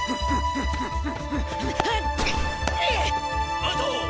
アウト！